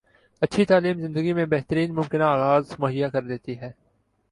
اچھی تعلیم زندگی میں بہترین ممکنہ آغاز مہیا کردیتی ہے